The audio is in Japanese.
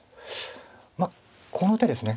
まあこの手ですね。